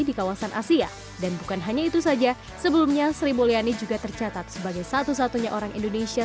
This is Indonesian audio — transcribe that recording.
dan bukan hanya itu saja sebelumnya sri mulyani juga tercatat sebagai satu satunya orang indonesia